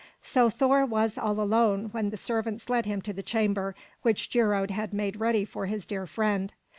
So Thor was all alone when the servants led him to the chamber which Geirröd had made ready for his dear friend.